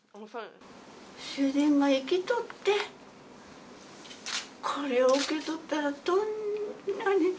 主人が生きとって、これを受け取ったらどんなに。